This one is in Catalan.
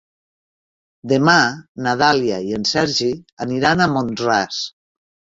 Demà na Dàlia i en Sergi aniran a Mont-ras.